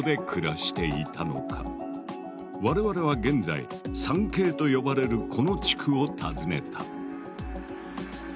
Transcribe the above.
我々は現在三渓と呼ばれるこの地区を訪ねた。